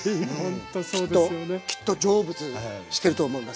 きっときっと成仏してると思います。